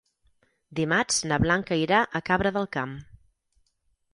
Dimarts na Blanca irà a Cabra del Camp.